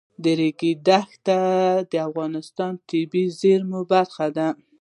د ریګ دښتې د افغانستان د طبیعي زیرمو برخه ده.